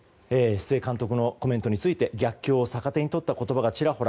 須江監督のコメントについて逆境を逆手に取った言葉がちらほら。